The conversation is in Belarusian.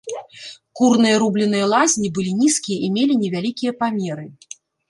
Курныя рубленыя лазні былі нізкія і мелі невялікія памеры.